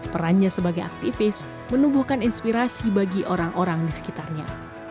perannya sebagai aktivis menubuhkan inspirasi bagi orang orang di sekitarnya